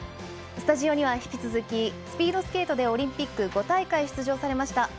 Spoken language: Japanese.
スタジオには引き続きスピードスケートでオリンピック５大会出場されました